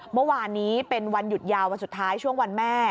เมื่อวานนี้เป็นวันหยุดยาววันสุดท้ายช่วงวันแม่